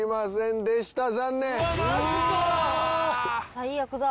最悪だ。